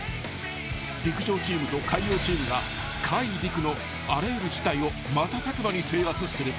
［陸上チームと海洋チームが海陸のあらゆる事態を瞬く間に制圧する］